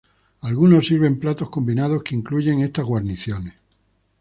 Algunos sirven platos combinados que incluyen estas guarniciones.